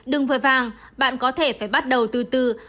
đừng với vàng bạn có thể phải bắt đầu từ từ